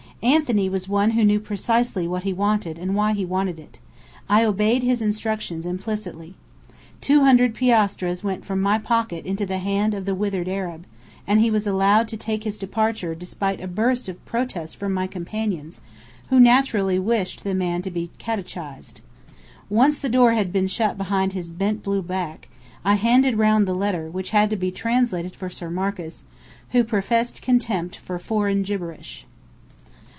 Anthony was one who knew precisely what he wanted and why he wanted it. I obeyed his instructions implicitly. Two hundred piastres went from my pocket into the hand of the withered Arab, and he was allowed to take his departure despite a burst of protest from my companions, who naturally wished the man to be catechised. Once the door had shut behind the bent blue back, I handed round the letter, which had to be translated for Sir Marcus, who professed contempt for "foreign gibberish."